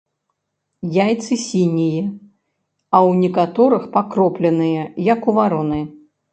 Яйцы сінія, а ў некаторых пакропленыя, як у вароны.